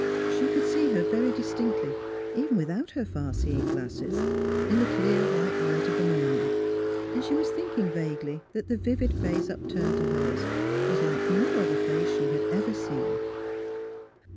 She could see her very distinctly, even without her far seeing glasses, in the clear white light of the morning, and she was thinking vaguely that the vivid face upturned to hers was like no other face she had ever seen.